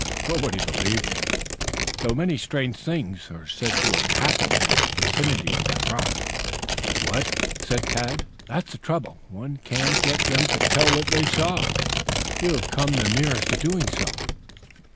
Nobody believed him, though many strange things are said to have happened in the vicinity of that rock." "What?" "That's the trouble. One cannot get them to tell what they saw. You have come the nearest to doing so."